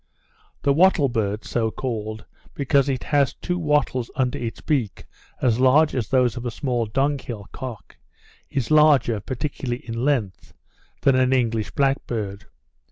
The wattle bird, so called, because it has two wattles under its beak as large as those of a small dunghill cock, is larger, particularly in length, than an English black bird.